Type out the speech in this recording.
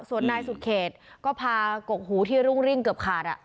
ส่วนนายสุดเขตก็พากกหูที่รุ่งริ่งเกือบขาด